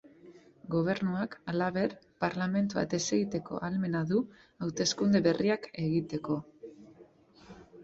Gobernuak halaber parlamentua desegiteko ahalmena du hauteskunde berriak egiteko.